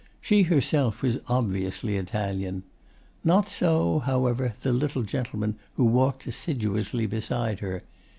She herself was obviously Italian. Not so, however, the little gentleman who walked assiduously beside her.